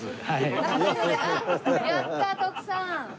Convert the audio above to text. やった徳さん！